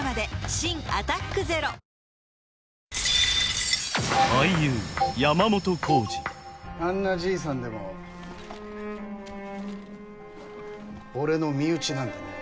新「アタックＺＥＲＯ」あんなじいさんでも俺の身内なんでね